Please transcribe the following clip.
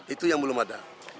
itu yang belum ada